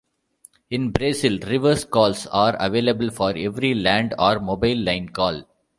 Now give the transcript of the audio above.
In Brazil, reverse calls are available for every land or mobile line call.